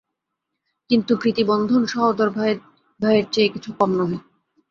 কিন্তু প্রীতিবন্ধন সহোদর ভাইয়ের চেয়ে কিছু কম নহে।